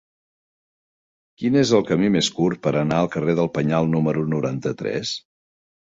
Quin és el camí més curt per anar al carrer del Penyal número noranta-tres?